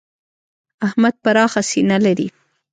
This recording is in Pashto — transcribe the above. احمد پراخه سینه لري.